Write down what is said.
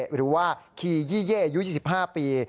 หรือว่าคียี่เย่อายุ๒๕ปี